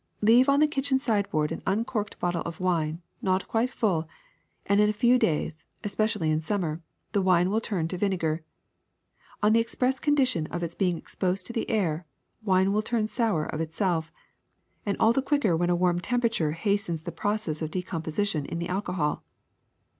Leave on the kitchen sideboard an uncorked bottle of wine, not quite full, and in a few days, especially in summer, the wine will turn to vinegar. On the express condition of its be ing exposed to the air, wine will turn sour of itself, and all the quicker when a warm temperature has tens the process of decomposition in the alcohol.